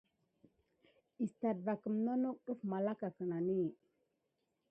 Əɗah va kəmna nok def na hoga kinani kabarkamà meyuhiyaku.